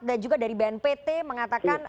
dan juga dari bnpt mengatakan